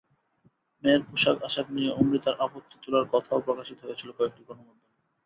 মেয়ের পোশাক-আশাক নিয়ে অমৃতার আপত্তি তোলার কথাও প্রকাশিত হয়েছিল কয়েকটি গণমাধ্যমে।